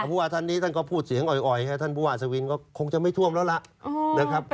ว่าท่านนี้ท่านก็พูดเสียงอ่อยท่านผู้ว่าศวินก็คงจะไม่ท่วมแล้วล่ะนะครับ